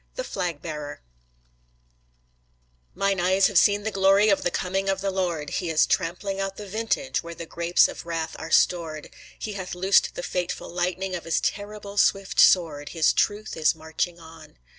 THE FLAG BEARER Mine eyes have seen the glory of the coming of the Lord; He is trampling out the vintage where the grapes of wrath are stored; He hath loosed the fateful lightning of His terrible swift sword; His truth is marching on.